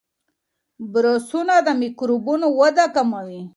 برسونه د میکروبونو وده کموي.